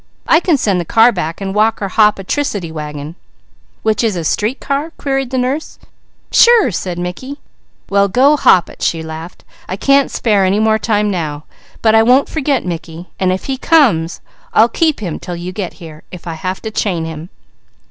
I can send the car back and walk or hop a 'tricity wagon." "Which is a street car?" queried the nurse. "Sure!" said Mickey. "Well go hop it!" she laughed. "I can't spare more time now, but I won't forget, Mickey; and if he comes I'll keep him till you get here, if I have to chain him."